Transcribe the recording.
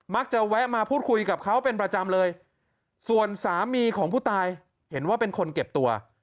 แวะมาพูดคุยกับเขาเป็นประจำเลยส่วนสามีของผู้ตายเห็นว่าเป็นคนเก็บตัว